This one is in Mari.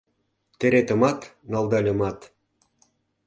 Теретымат налдальымат